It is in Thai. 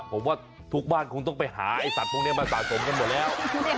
ผมว่าทุกบ้านคงต้องไปหาไอ้สัตว์พวกนี้มาสะสมกันหมดแล้ว